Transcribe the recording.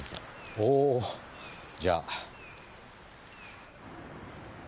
おぉじゃあ。